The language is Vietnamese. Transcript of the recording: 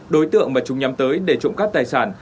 đối tượng mà chúng nhắm tới để trộm cắp tài sản